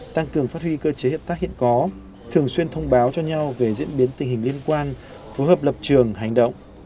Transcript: tăng cường phát huy cơ chế hợp tác hiện có thường xuyên thông báo cho nhau về diễn biến tình hình liên quan phối hợp lập trường hành động